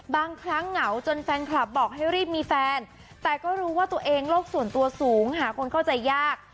บางครั้งเหงาจนแฟนคลับบอกให้รีบมีแฟนแต่ก็รู้ว่าตัวเองโลกส่วนตัวสูงหาคนเข้าใจยาก